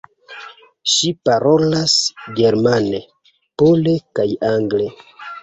Ŝi parolas germane, pole kaj angle.